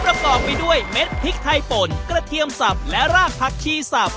ประกอบไปด้วยเม็ดพริกไทยป่นกระเทียมสับและรากผักชีสับ